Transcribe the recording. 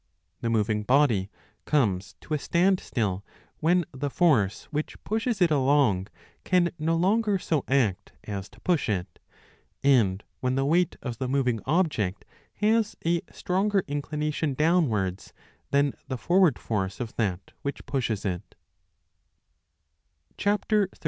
1 The moving body comes to a standstill when the force which 20 pushes it along can no longer so act as to push it, and when the weight of the moving object has a stronger inclination downwards than the forward force of that which pushes it.